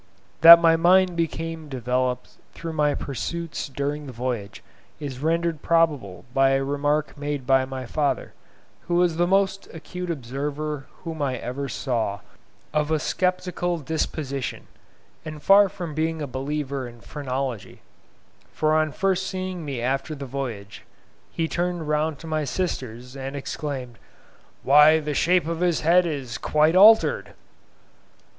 That my mind became developed through my pursuits during the voyage is rendered probable by a remark made by my father, who was the most acute observer whom I ever saw, of a sceptical disposition, and far from being a believer in phrenology; for on first seeing me after the voyage, he turned round to my sisters, and exclaimed, "Why, the shape of his head is quite altered."